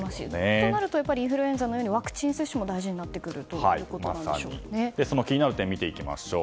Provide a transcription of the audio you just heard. となるとインフルエンザのようにワクチン接種も大事になってくる気になる点を見ていきましょう。